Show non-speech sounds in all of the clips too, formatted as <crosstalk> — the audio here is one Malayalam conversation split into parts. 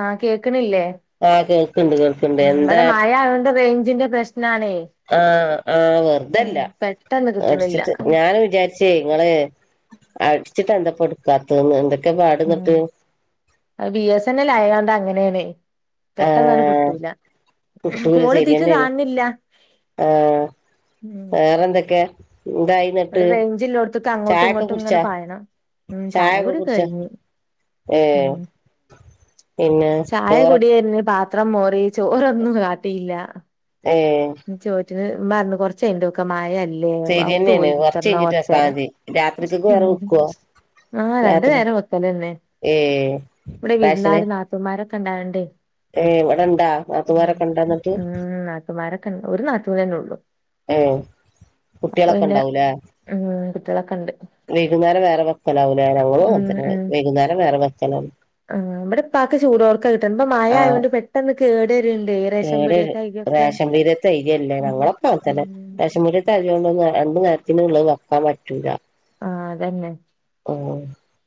ആഹ കേക്ക്ണില്ലേ ആഹ് കേൾക്കണ്ട് കേൾക്കണ്ട് എന്താ ഇവിടെ മഴ ആേഞ്ചിന്റെ പ്രശ്ന ആഹ ആഹ് ഉം വെറുതല്ല പെട്ടെന്ന് കിട്ടണില്ല അടിച്ചിട്ട് ഞാനൻ വിചാരിച്ചേ ഇങ്ങള് അടിച്ചിട്ട് എന്താ പോ എടുക്കാത്തെഎന്തൊക്ക ഉം ബി എസ് എൻ എൽ ആയണ്ട് അങ്ങനെയണേ പെട്ടെന്നാണ് ആഹ് കിട്ടൂല കിട്ടൂല കോള് ശരിയന്നെയാണ് ഇതിക്ക്കാണുന്നില്ല ആഹ് ഉ വേറെന്തൊക്കെ എന്തായി ന്നിട്ട് ഇവിടെ റേഞ്ചിലോടത്തൊക്കെ അങ്ങോട്ടും ചായൊക്കെ ഇങ്ങോട്ടും ഇങ്ങനെ കുടിച്ചാ പായണം ഉം ചായ ചായൊക്കെ കൂടിയെ കുടിച്ചാ കെകഴിഞ്ഞു ഉ ഏഹ് പിന്നെ ചായ ചോറ കുടിയന്നെ പ.. പാത്രം മോറി ചോറൊന്നും കാട്ടില്ല ഏ ഉമ്മറത്തുകുറച്യ്ഞ്ഞിട്ട് വെക്കാമയല്ലേ ഇല്ലെ ശരിയന്നെയാണ് ഔത്തുപോയി കൊറച്ച് കുത്തിർന്നാ കഴിഞ്ഞിട്ട് കെർ ചേരം വെക്കാതി രാത്രിക്കൊക്കെ വേറെ ഉം.. വെക്കുവോ ആഹ് രണ്ടു രാത്രി നേരം വെക്കല്ലന്നെ ഏഹ് ഇവിടെ വിരുന്നാരും നാത്തൂന്മാരൊക്കെ ഇണ്ടായേണ്ടേ ഏ ഇവിടെ ഇണ്ടാ അതുവോരൊക്കെ ഇണ്ടന്നിട്ട് ഉം നാത്തൂമാരൊക്കെ ഒരു നാത്തന്ന തന്നെള്ളു അപ്പൊ കുട്ടികളൊക്കെ പിന്നെ ഉണ്ടാവൂലേ ഉ തിളക്കണ്ട് വൈകുന്നേരം വേറെ വക്കലാവ ഞൻങ്ങ അ വൈകുന്നേരം വേറെ വക്കലും ആ് നമ്മടെ പാക്ക് ചൂടോർക്ക കിട്ടണം ഇപ്പ ആഹ് മഴയത്ൊണ്ട് പെട്ടെന്ന് കേടരുണ്ട്േ റശൻമ്പൊടിയ തൈകൊക്കെ ധൈര്യമല്ലേ ഞങ്ങളൊപ്പ അത്തന്നെ വിശമുരി ത അലൊണ്ട് രണ്ടു നേരത്തിനന് ഉള്ള വെക്കാൻ പറ്റൂില്ല ആഹ അതന്നെ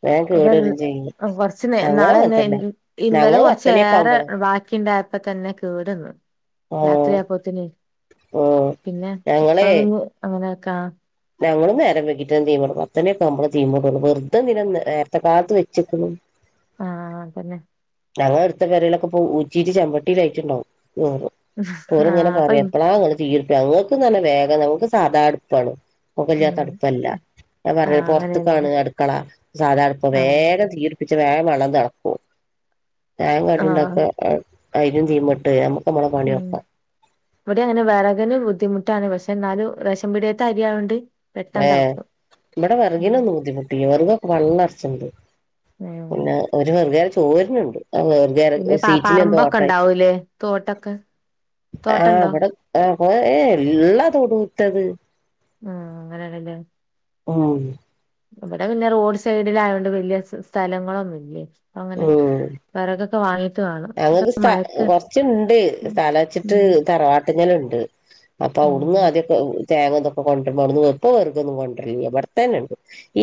വേം കേടരും ചെയ്യും അ കൊറച്ച് ഞങ്ങളും നാളെന്നെ അങ്ങൻതന്നെ ഇന്നലെ ഞങ്ങള് കുറച്ച് പത്തണിയൊക്കെ വേറെ ആവുമ്പളാ ബാക്കിണ്ടായപ്പോ തന്നെ കേടുന്നു ആഹ് രാത്രി ആപ്പത്തിന് ആഹ് പിന്നെ അപ്പ അങ്ങനെ ഞങ്ങള്ൾ നേരം വെക്കിട്ട തീമട്ടക്കും അത്തനെയൊക്കെ നമ്മള് തീപോട്ടും വെറുതെ ഇന നേരത്തെ കാലത്ത് വെച്ചക്കുന്നു ആഹതന്നെ ഞങ്ങെളെ അടുത്ത പെരയിലൊക്കെ ഇപ്പോ ഊറ്റീട്ട് ചെമ്പട്ടീല് ആയിറ്റ്ണ്ടാവും <unintelligible> ഓരിങ്ങനെ ആഹ് പറയാ അപ്പം എപ്പളാ ഇങ്ങള് <unintelligible> ഇങ് <unintelligible> നല്ല വേഗം ഞങ്ങക്ക് സാധാ അടുപ്പാണ് പൊകയില്ലാത്ത ഉം അടുപ്പല്ല അതാ പറഞ്ഞെ ആഹ് അങ്ങനെയാണ് പൊറത്തക്കാണ് അടുക്കള സാധാ അടുപ്പാ ആഹ് വേഗം തീപിടിച്ച് ച്ച് വേഗം വെള്ളം തെളക്കും ചായേം ആഹ് കടിണ്ടാക്കാ അ അയിനും തീമട്ട് നമ്മളെ ഉം പണിയൊക്കാ ഇവിടെ അങ്ങനെ വെറകിന് ബുദ്ധിമുട്ട് ട്ടാണ് പക്ഷെ എന്നാലും റേശൻ പീട്യേത്തെ അരിയായോണ്ട് പെട്ടെന്ന് ഏഹ് തിളക്കും ഇവിടെ ഉം വെറുഗിനൊന്നും ബുദ്ധിമുട്ടില്ല വെറുകൊക്കെ പള്ളറച്ച്ണ്ട് ഉം പിന്നെ ഒരു വെറുകോര ചോരുന്നുണ്ട് ആഹ് പിന്നെ വെറുകോര പ സീറ്റിൻ്റെ എന്തോ പറമ്പൊക്കെ കൊഴപ്പായിറ്റ് ഉണ്ടാവൂലേ തോട്ടൊക്കെ ആഹ് തോട്ടണ്ടോ ഇവിടെ ആഹ് കൊ ഏ ഇള്ള തൊടൂത്തത്. ഉം അങ്ങനെയാണ്ല്ലേ ഉം ഇവിടെ പിന്നെ റോഡ് സൈഡിലായതോണ്ട് വെല്ല്യ സ് സ്ഥലങ്ങളൊന്നുംല്ലേ അങ്ങനെ ഉം വെറകൊക്കെ വാങ്ങി ഞങ്ങക്ക് സ്ഥ കൊറച്ച്ണ്ട് ഉം സ്ഥലച്ചിട്ട് ഉം തറവാട്ടിന്നലെ ഇണ്ട് അപ്പൊ അവിടുന്ന് ആദ്യൊക്കെ തേങ്ങതൊക്കെ കൊണ്ടരുമ്പോ അന്ന് ഇപ്പോ വെറകൊന്നും കൊണ്ടരലില്ല ഇബടത്തെന്നെണ്ട്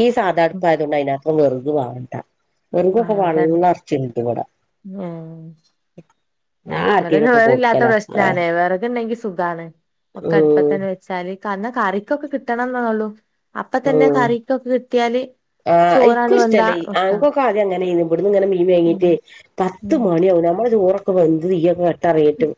ഈ സാധാ ഉം അടുപ്പായത് കൊണ്ട് അതിനാത്രം വെറുക് വാണ്ട. വെറുകൊക്കെ ആഹ് അതാണ് പള്ളറച്ച് ഇണ്ട് ഇവിടെ. ഞാൻ വടെ ആർക്കേലൊക്കെ വേറെ ഇല്ലാത്ത കൊടുക്കലാ ആഹ് പ്രശ്നണേ വെറക് ഉണ്ടെങ്കി സുഖണ് ഒക്കെ ഉം അടുപ്പത്തന്നെ വെച്ചാല് കാരണം കറിക്കൊക്കെ കിട്ടണം ന്നൊള്ളൂ അപ്പ തന്നെ ഉം കറിക്കൊക്കെ കിട്ടിയാല് ആഹ് ഇൻക്കും ചോറാണ്ട് വെന്താ ഇഷ്ടല്ലേ വെക്കാ ആങ്ങക്കൊക്കെ ആദ്യം അങ്ങനെയ്നു ഇവിടുന്ന് ഇങ്ങനെ മീൻ ഉം വേങ്ങീട്ട് പത്ത് ഉം മണി ആവും നമ്മളെ ചോറൊക്കെ വെന്ത് തിയൊക്കെ കട്ടാറീട്ട്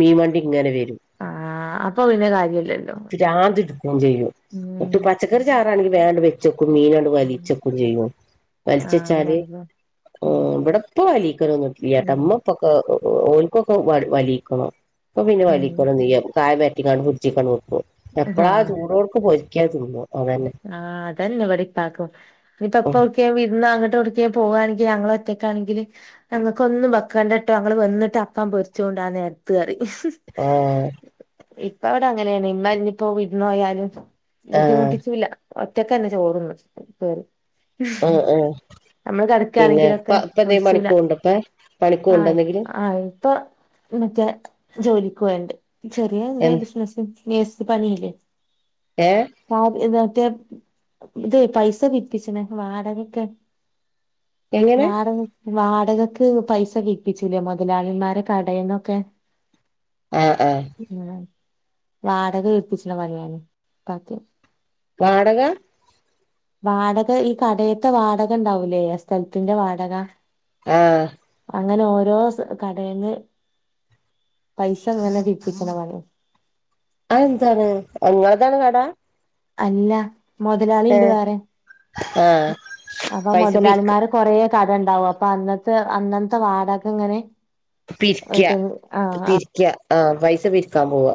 മീൻ വണ്ടി ഇങ്ങനെ വരും ആഹ് അപ്പൊ പിന്നെ കാര്യല്ലല്ലോ പിരാന്ത് പിടിക്കും ചെയ്യൂ ഉം ട്ട് പച്ചക്കറി ചാറാണെങ്കി വേ അണ്ട് വെച്ചക്കും ചെയ്യും മീനണ്ട് ഉം വലിച്ചെക്കും ചെയ്യോ ആഹ് അങ്ങനാണ്ല്ലേ ആഹ് വടെപ്പ വലിക്കനൊന്നില്ലട്ട ഉം ഇമ്മപ്പൊക്ക ഓൽക്കൊക്കെ വലിക്കണം പ്പ പിന്നെ ഉം വലിക്കണന്നില്ല കായം പരട്ടിക്കാണ്ട് ഫ്രി ജ്ക്കാണ്ട് വെക്കും എപ്പഴാ ആഹ് ചൂടോട്‌ക്കെ പൊരിക്കാ തിന്നും അതന്നെ ആഹ് അതന്നെ വടെ പ്പാക്കും ഇനിപ്പ എപ്പ ഓക്ക വിരുന്ന് അങ്ങോട്ട് ഒട്ക്കെ പോവാണെ ങ്കി ഞങ്ങളൾ ഒറ്റക്കാണെങ്കിൽ ഞങ്ങക്ക് ഒന്നും വക്കണ്ട ട്ടോ ഞങ്ങൾ വന്നിട്ട് അപ്പ പൊരിച്ചോണ്ട് ആഹ് നേരത്ത് കറി ആഹ് ഇപ്പ അവിടെ അങ്ങനെണ് ഇമ്മഞ്ഞിപ്പോ വിര്ന്ന് പോയാലും ആഹ് ബുദ്ധിമുട്ടിച്ചൂല്ല ഒറ്റക്കന്നെ ചോറുന്നു പേര് ആഹ് ആഹ് നമ്മള് പിന്നെ ഇപ്പ കകടക്കണെങ്കിലൊക്കെ ഇപ്പ എന്തേലും പണിക്ക് വിളിച്ചൂല പോവ്ണ്ടോ ഇപ്പ പണിക്ക് പോവ്ണ്ടോ ആഹ് എന്തെങ്കിലും ആഹ് ഇപ്പൊ മറ്റേ ജോലിക്ക് പോവേണ്ട് ചെറിയ എ എന്ത ബിസിനസ് പണിയില്ലേ ഏഹ് ഇതറ്റേ ഇതെ പൈസ പിപ്പിച്ച്ണെ വാടകൊക്കെ എങ്ങനെ വാടക വാടകക്ക് പൈസ പിരിപ്പിച്ചൂല്ലേ മുതലാളിന്മാരെ കടയന്നൊക്കെ ആഹ് ആഹ് ഉം വാടക പിരിപ്പിച്ച്ണ പണിയാണ് ഇപ്പാക്ക് വാടക വാടക ഈ കടയത്തെ വാടക ഉണ്ടാവൂലേ സ്ഥലത്തിന്റെ വാടക ആഹ്‌ അങ്ങനെ ഓരോ കടയിന്ന് പൈസ അങ്ങനെ വിപ്പിക്കണ പണി അ എന്താണ് നിങ്ങതാണ് കട അല്ല മുതലാളി ഏഹ് ഉണ്ട് വേറെ ആഹ് അപ്പൊ പൈസ പിരിക്ക് മുതലാളിമാരെ കൊറേ കട ഉണ്ടാവും അപ്പൊ അന്നത്തെ അന്നനത്തെ വാടക ഇങ്ങനെ പിരിക്ക ആഹ് പിതിരിക്ക ആഹ പൈസ പിരിക്കാൻ പോവാ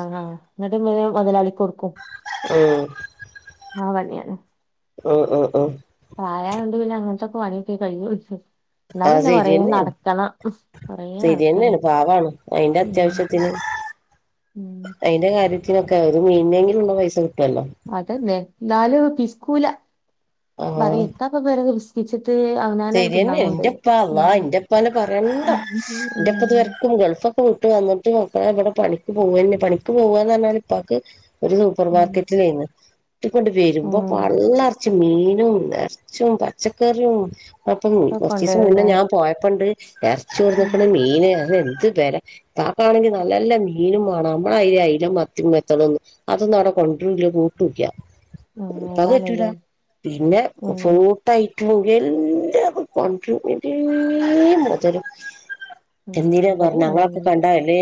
ആ ആ എന്നിട്ട് നമ്മൾ മുതലാളിക്ക് കൊടുക്കും ഉഏ ആ പണിയാണ് ഓ ഓ ഓ പ്രായമായതോണ്ട് പിന്നെ അങ്ങനത്തെൊക്കെ പണിയൊക്കെ കഴിയൂ ആ ശരിയന്നെയാണ് കൊറേ നടക്കണേ ശരിയന്നെയാണ് പാവാണ് അയിന്റെ ഉം അത്യാവശ്യത്തിന് ഉം അതിന്റെ കാര്യത്തിനൊക്കെ ഒരു മീനിനെങ്കിലും ഉണ്ടോ പൈസ കിട്ടുവല്ലോ അതന്നെ എന്നല് പിസ്കൂല മറി ആഹ് എത്താപ്പ വേര പിസ്കിച്ച ശരിയെന്നെ എന്റെപ്പാ അള്ളാ എന്റെപ്പനെ പറയണ്ട ഉം ഉം എന്റെപ്പ ഇത്വർക്കും ഗൾഫ് കൂട്ട് വന്നിട്ട് അ ഇവിടെ പണിക്ക് പോവന്നെ പണിക്ക് പോവന്ന് പറഞ്ഞാൽ ഉപ്പക്ക് ഒരു സൂപ്പർമാർക്കറ്റിൽ ചെയ്യന്ന് ഇട്ടിക്കൊണ്ട് വരുമ്പോ ഉം പള്ളറച്ച മീനും ഇറച്ചും പച്ചക്കറിയും അപ്പൊ ഒക്കെ കുറച്ച ദിവസം മുന്നേ ഉണ്ടായിരുന്നേ ഞാൻ പോയപ്പുണ്ട് ഇറച്ചി ഉം വന്നിക്കണ് മീന് അത എന്ത് വാപ്പാണെങ്കിൽ നല്ല നല്ല മീനും വേണം നമ്മള അ അയല മത്തി എത്തണംന്ന് അതൊന്ന അവിടെ കൊ ല്ല ബോട്ടുമില്ല ഉം ഇക്കാക്ക് പറ്റൂല അതാണല്ലേ പിന്നെ ഉം ഫോട്ടായിട്ട് പോകൽ ക്രന് രെ മുതൽ ഉം എന്നനര പറഞ്ഞ ഇബടേം ഞങ്ങളൊക്കെ കണ്ട എല്ലേ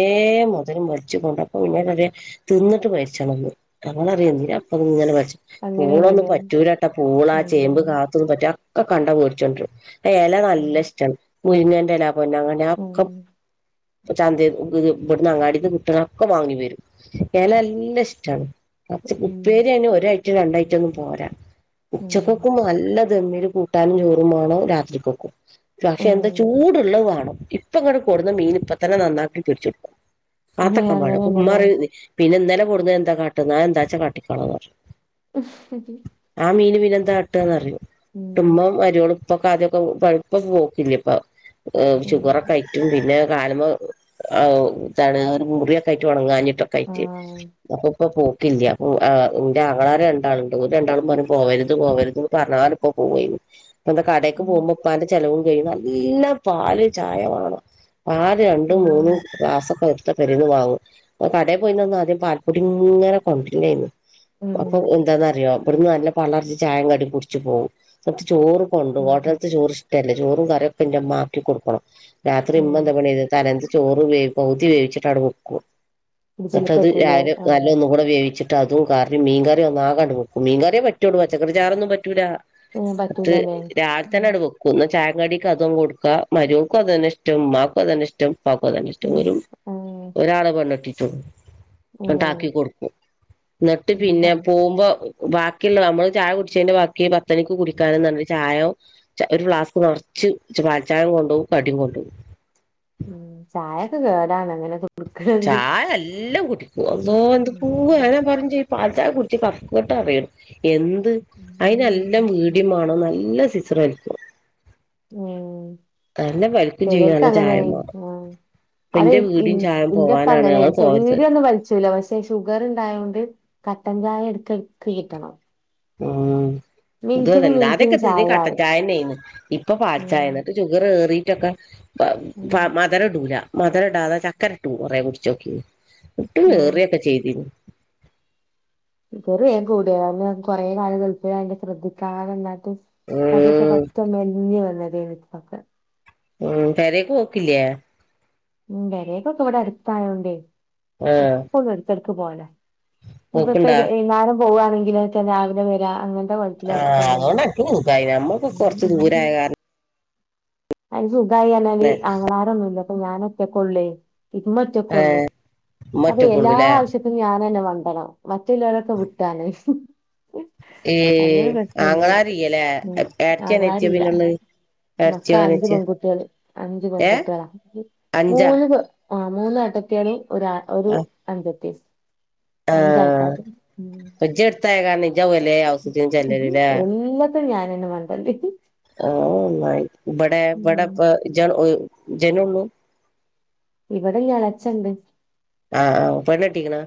മുതലും വരിച്ചു കൊണ്ടപ്പോ ഇന്നട അത തിന്നിട്ട് വരിച്ചണംന്ന് പൂളറിയീ അപ്പൊ ഇങ്ങനെ പച്ചു അങ്ങനെന്നെ പൂളൊന്നും അങ്ങനെയാണല്ലേ പറ്റൂരട്ടാ പൂളാ ചേമ്പ് ഉം കാലത്തൊന്നും പറ്റ ഒക്കെ കണ്ടാ വേടിച്ചോണ്ടുവരും ഇല ഉം നല്ല ഇഷ്ടമാണ് മുരിങ്ങേന്റെ ഇല ന്നെ അങ്ങനെയ ഉം ഒക്കെ ചന്ത ഇവിടന്ന് അങ്ങാടിന്ന് കിട്ടനൊക്കെ വാങ്ങി വരും ഇല എല്ലാം ഇഷ്ടമാണ് കുറച്ച് ഉം കുപ്പേര് തന്നെ അ ഒരായിട്ടും രണ്ടായിട്ടും ഒന്നും പോരാ ഉം ഉച്ചക്കൊക്ക നല്ല എന്തേലും കൂട്ടാനും ചോറും വേണം രാത്രി പൊക്കും പക്ഷെ എന്താ ഉം ചൂടുള്ളത് വേണം ഇപ്പ ഇങ്ങട്ട കൊണ്ടുന്ന മീൻ ഇപ്പ തന്നെ നന്നാക്കി പൊരിച്ചടുക്കും ഏ കാത്തക്കമ്പഴ അപ്പൊ ഉമ്മ അങ്ങനെയാണല്ലേ പറയും പിന്നെ ഇന്നലെ കൊണ്ടുന്നത് എന്ത കാട്ടുന്നത് ഞാൻ എന്താച്ചാ കാട്ടിക്കൊള്ളാൻ പറഞ്ഞു അതെ ആ മീന് പിന്നെന്താ കാട്ടുകെന്നറിഞ്ഞു കുടുംബം വരിയോളും ഇപ്പൊക്കെ അതൊക്കെ പഴുപ്പൊ പോക്കില്ല ഇപ്പൊ ഷുഗറൊക്കെ ഉം കയിറ്റും പിന്നെ കാലുമേ ഇതാണ് മുറിയൊക്കെ ആയിട്ട് ഉണങ്ങഞ്ഞിട്ട യിട്ട് ആഹ് അപ്പ ഇക്ക പോ ല്ല എന്റെ ആങ്ങളമാര് രണ്ടാളുണ്ട് ഓൾ രണ്ടാളും പറഞ്ഞ് പോവരുത് പോവരുതെന്ന് പറഞ്ഞാലെ ഇപ്പോ പോയിന്ന് അപ്പന്ത കടക്ക് ഉം പോകുമ്പോ ഉപ്പാന്റെ ചെലവും കഴിയും നല്ല പാല് ചായ വേ ണം ആറ് രണ്ടും ഉം മൂന്നും ക്ലാസ്സൊക്കെ വരും ഇപ്പൊ പെരെന്ന് വാങ്ങും കടയിൽ പോയിന്നൊന്നും ആദ്യം പാൽപ്പൊടി ഇങ്ങനെ കൊണ്ടരുവാരുന്നു ഉം അപ്പൊ എന്താന്നറിയോ അവിടന്ന് നല്ല പള്ളർച്ച് ചായ കടി കുടിച്ചു പോകും ചിലപ്പം ചോറും കൊണ്ട്പോകും ഉം ഹോട്ടലത്ത് ചോറ് ഇഷ്ടല്ല ചോറും കറൊക്കെ ഇമ്മആക്കി കൊടുക്കണം രാത്രി ഇമ്മ ഉം എന്താ പണി ചെയ്ത് തലേ ദിവസ ചോറ് വേവും പകുതി വേവിച്ചിട്ട് അവി വെക്കും ഇതില് എന്നിട്ടത് പറ്റൂല രാവിലെ നല്ല ആഹ് ഒന്ന് കൂടെ വേവിച്ച അതും കാരണം മീൻകറിയ ഒന്ന ആകാണ്ട് വെക്കും മീൻകറിയ പറ്റോള്ളൂ പച്ചക്കറി ചാറൊന്നും പറ്റൂല ഉം എന്നിട്ട് പറ്റില്ലല്ലേ ല്ലെ രാവിലെ തന്നെട് വെക്കുംന്ന് ചായങ്കടി ടിക്ക് അതും കൊടുക്കുക മരുമോൾക്കും അതുന്നെ ഇഷ്ടം ഉമ്മാ ക്കുംഅതന്നെ ഇഷ്ടം ന്ന ഇഷ്ടം ഉം ഒരു ഉം ഒരാളെ പെണ്ണട്ടിട്ടുള്ളൂ ഉം ട്ടാക്കി കൊടുക്കും എന്നിട്ട് എന്താ പിന്നെ പോകുമ്പോ ബാക്കിയുള്ള നമ്മള് ചായ കുടിച്ചേതിന്റെ ബാക്കി പത്തണക്ക് കുടിക്കാനന്ന ചായോ ഒരു ഫ്ലാസ്ക് നിറച്ച് പാൽ ചായേം കൊണ്ടുപോവും കടിയും കൊണ്ടുപകും ഉം ചായൊക്കെ കേടാണ്‌ അങ്ങനെ കു ചായ എല്ലാം കുടിക്കൂ ഉം അന്നോ എന്ക്കൂ ഉം അനെ പറഞ്ചീ പാൽ ചായ കുടിച്ച് കഫക്കെട്ട് അറയും എന്ത് അതിനെല്ലാം ഉം വീടിയമാണ നല്ലസി ശ്രമിക്ക ഉം ചെയ്യും ചിലർക്ക് നല്ല അങ്ങനെ ചായേം മാണം ഉം അപ്പൊ അതെ ഇന്റെ വീടിയും ചായേം ഇന്റപ്പ പോവാനാണ് ഞങ്ങൾ അങ്ങനെയിരുന്നു പോവരുത് വീടിയൊന്നും വലിച്ചൂല പക്ഷെ ഷുഗർ ഇണ്ടായോണ്ട് കട്ടൻ ചായ എടുക്ക എടുക്ക് കിട്ടണം ഉം ഇത് മിനിറ്റിന് തന്നെ മിനിറ്റിന് ആദ്യക്കെ ക്കെ ചായ ഇ കട്ടൻ പറയും ചായ തന്നെയന്ന് ഇപ്പൊ പാൽച്ചായ ഉം എന്നിട്ട് ഷുഗറെ ഏറി ക്കെ ഉം മദരടൂല മദര ഇടാതെ ചക്കര ടൂ കുറെ കുടിച്ചോക്കി ഇട്ടും ഉം വേറൊക്കെ ചെയ്തിന്നു കുറെ ആയി കൂട്ടുകാരന് കുറെ നാളുകൾ ഗൾഫിലായൊണ്ട് ശ്രദ്ധിക്കാവുന്ന - തടിയൊക്കെ ഉം പറ്റെ മെലിഞ്ഞു വന്നത് പക്ക ഉം കറിയൊക്കെ വയ്ക്കില്ലേ ഉം പേരെക്കൊക്കെ ഇവിടെ അടുത്തായൊണ്ടേ ആഹ് എപ്പഴും ഇടക്കിടക്ക് പോകലാ ഇപ്പ പോക്ക്ണ്ടാ ഇപ്പൊനും വൈകുന്നേരം പോവുവാണെങ്കിലെ രാവിലെ വരാ അങ്ങന ആ അതുകൊണ്ട് <unintelligible> നമ്മക്ക് കൊറച്ച് ദൂരായ കാരണം അതിന് സുഖമായിഞ്ഞാല് ആങ്ങളരൊ ന്നുല്ല അപ്പൊ ഞാനൊറ്റക്കോള്ളെ ഇമ്മറ്റക്കള്ളു അപ്പൊ ഉമ്മറ്റക്കൊള്ളൂല്ലേ എല്ലാവശ്യത്തും ഞാൻ തന്നെ വണ്ടണം ബാക്കില്ലോല്ലോക്കെ വ്ട്ടാണ് ഏ ആങ്ങളാരില്ലല്ലേ, ഉം ഏട്ത്തി, അനിയത്തിയാ, പിന്നെള്ളെ ഏട് ക്ക അണ്ട് അനിയത്തിയോ പെൺകുട്ട്യാള് അഞ്ച് പെൺകുട്ടി ആളാ അഞ്ചാ മൂന്ന് ആ മൂന്ന്ഏട്ടത്തിയാള് ഒര ഒരു ആഹ് അൻജത്തിം ആഹ് അഞ്ചൾക്കാര് ഉം ഇജ്ജ് എടുത്തായ കാരണം ഇജ്ജാവല്ലേ ഹൗസിത്തിന് ചെല്ലലില്ലേ എല്ല ല്ലത്തിനും ഞനെന്നെ മണ്ടണ്ടെ ആഹ് അഹ് ന്നന്നായി ഇബെടെ ബടപ്പം ഇജണ്ട് ഇജനോള്ളു? ഇവടെ ഇഞ് എളച്ചണ്ട് ആഹ് ആഹ് പെണ്ണ്ട്ടിക്ണോ?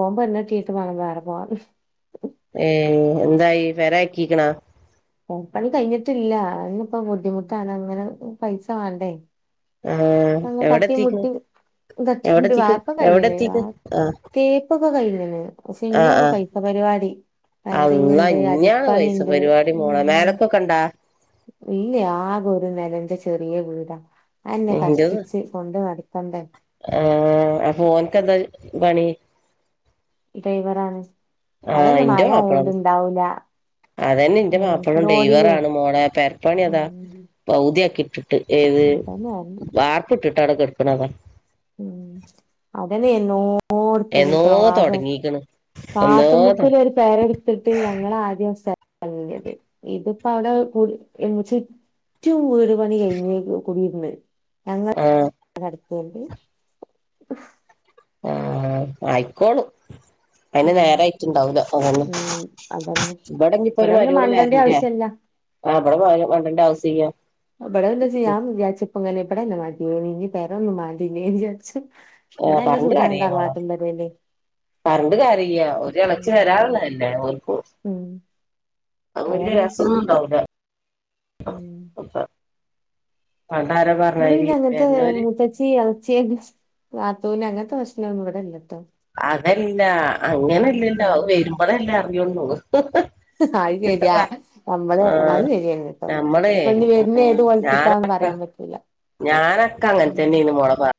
ഓം പെണ്ണ് കെട്ടീട്ട് മാണം വേറെ പോകാൻ ഏ എന്തായി പെരക്കിക്ണാ പണി കഴിഞ്ട്ടില്ല അയ്ന് ഇപ്പോ ബുദ്ധിമുട്ടാണ് അങ്ങനെ പൈസ വാണ്ടേ ആഹ് അങ്ങ് എവിടെ തട്ടി എത്തിക്കണ് മുട്ടി തട്ടി എവിടെ മുട്ടി എത്തിക്കും വാർപ്പോക്കെ എവിടെ കഴിഞ്ന് വ എത്തിക്കും ആഹ് തേപ്പൊക്കെ കഴിഞ്ന് പക്ഷെ ആഹ് ഇഞാണ് ആഹ് പൈസ പരിപാടി അള്ളാ വയറിങ്ണ്ട് ഇഞ്ഞാണ് പൈസ അടിപ്പണിണ്ട് പരിപാടി ഹ് മോളെ മേലക്കൊക്കെ ഇണ്ടാ ഇല്ലെ ആകെ ഒരു നെലന്റെ ചെറിയ വീടാ അതെന്നെ ഇന്റെത് കഷ്ടിച്ച് കൊണ്ട് നടക്കണ്ടേ ആഹ് അപ്പോ ഓൻക്കെന്താ പണി ഡൈവറാണ് അതെന്നെ മഴ ആയോണ്ട് ഇണ്ടാവൂല അതനെ ഇന്റെ ഉം മാപ്പളീം ലോഡിങ്ങേ ഡ്രൈവറാണ് മോളെ പെര്പ്പണി അതാ ഉം പൗത്യാക്കി ഏത് അതന്നെ പറഞ്ഞെ വാർപ്പ് ഇട്ടിട്ട് ഔടെ കെട്ക്ണതാ ഉം അതന്നെ എന്നോ എന്നോ ഇട്ത്നട്ടോ ആകെ തൊടങ്ങീക്ക്ണ് എന്നോ തൊ കാട്ട്മുക്ക്ല് ഒരു പേരട്ത്ത്ട്ട് ഞങ്ങള് ആദ്യം സ് വല്ല്യത് ഇത്പ്പ ഔടെ <unintelligible> ച്ചൂര് പണി കയ്ഞ് കുടിര്ന്ന് ആ <unintelligible> അ അ അയ്ക്കോളും അയിന് ഉം നേരായിറ്റ്ണ്ടാവൂല അതെന്നെ ഉം അതന്നെ ഇവിടെ ഞ്ഞിപ്പോ ഒരു പിന്നെ മരോള് മണ്ടന്റെ വെര്ണ്ടേ ആവശ്യല്ല ആ വടെ <unintelligible> ബടെ പിന്നെ ജിയാൻ വിജാര്ച്ച്ക്കും <unintelligible> ബടെന്നെ മത്യേനി ഞ്ഞ് പെരൊന്നും മാണ്ടില്ല്യേനിജാര്ച്ചും ഏ പർഞ്ഞിട്ട് കാര്യയ്യ മോളെ പർഞ്ഞ്ട്ട് കര്യയ്യ ഒര് എളച്ചി ഉം വരാള്ളെല്ലെ ഓൽക്കു ഉം അത് വല്യ അതന്നെ രസാെന്നുണ്ടാവൂല ഉം ഇവ്ടെ പിന്നെ അങ്ങൻത്തെ വര്ണോര് മൂത്തച്ചി എളച്ച്യേ നാത്തൂന് അങ്ങൻത്തെ പ്രശ്നാെന്നു ഇവ്ടെല്ല അതല്ല അങ്ങനല്ലല്ലോ ഉം അത് വര്മ്പളല്ലേ അറിയാെള്ളൂ അത് ശെരിയാ നമ്മള് അത് സെരിയന്നെട്ടോ നമ്മളെ ഇപ്പൊ ഇഞ്ഞ് വര്ണെ ഏത് കാേലത്ത്ക്കാന്ന് പറയാ ൻ പറ്റൂല്ല ഞാനക്കെ അങ്ങൻത്തന്നെന്ന് മാേള പർ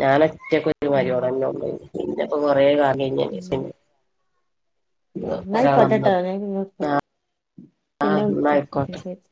ഞാനാെറ്റക്കാെര് ഉം മരോളെന്നൊള്ളേനി പിന്നെപ്പോ കൊറേ കാ പിന്നെ <unintelligible> ന്നായ്‌കോട്ടെട്ടോ ഞാ <unintelligible> പിന്നെ ആഹ് വ് <unintelligible> ന്നാ ച്ച ആയിക്കോട്ടെ ശെരി